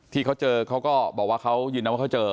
ที่เขาเจอเขาก็บอกว่าเขาเจอ